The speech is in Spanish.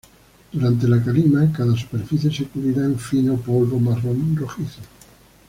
Durante la calima, cada superficie se cubrirá en fino polvo marrón rojizo.